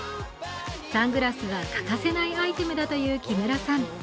サングラスは欠かせないアイテムだという木村さん。